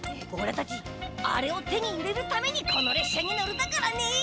おらたちあれを手に入れるためにこの列車に乗るだからね。